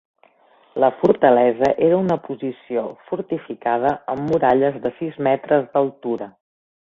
La fortalesa era una posició fortificada amb muralles de sis metres d'altura.